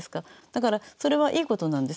だからそれはいいことなんです